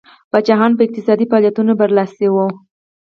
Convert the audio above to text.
پاچاهان په اقتصادي فعالیتونو برلاسي وو.